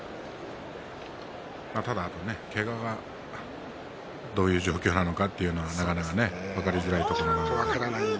ただ、けががどういう状況なのかなかなか分かりづらいところなのでね。